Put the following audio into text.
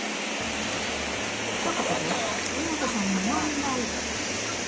と、ここでイモトさんに問題。